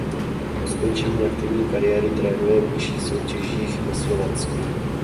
Po skončení aktivní kariéry trénuje v nižších soutěžích na Slovensku.